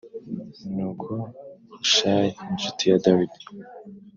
Nuko Hushayi incuti ya Dawidi